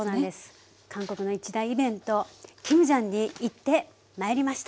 韓国の一大イベントキムジャンに行ってまいりました。